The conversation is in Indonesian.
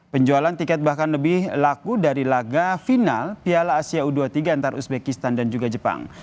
penjualan tiket bahkan lebih laku dari laga final piala asia u dua puluh tiga antara uzbekistan dan juga jepang